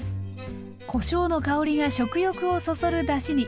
こしょうの香りが食欲をそそるだしに。